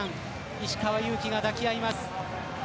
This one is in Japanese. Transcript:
石川祐希が抱き合います。